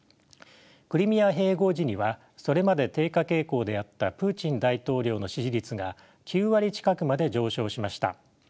クリミア併合時にはそれまで低下傾向であったプーチン大統領の支持率が９割近くまで上昇しました。